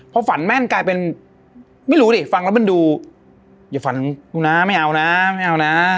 พอฝันแม่นกลายเป็นไม่รู้ดิฝันแล้วมันดูไม่ยอมนะ